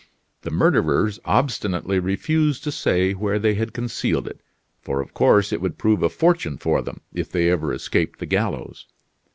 The murderers obstinately refused to say where they had concealed it; for, of course, it would prove a fortune for them, if they ever escaped the gallows.